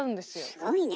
すごいね。